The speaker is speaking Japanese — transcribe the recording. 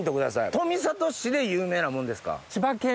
富里市で有名なものですか？